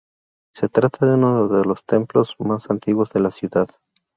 Se trata de una de los templos más antiguos de la ciudad.